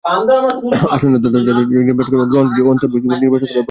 আসন্ন দ্বাদশ জাতীয় সংসদ নির্বাচনকে গ্রহণযোগ্য ও অন্তর্ভুক্তিমূলক করাই এখন বড় চ্যালেঞ্জ।